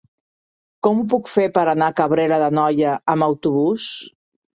Com ho puc fer per anar a Cabrera d'Anoia amb autobús?